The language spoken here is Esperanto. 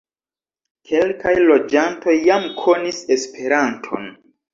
Kelkaj loĝantoj jam konis Esperanton.